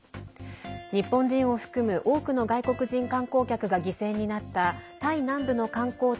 日本人を含む多くの外国人観光客が犠牲になったタイ南部の観光地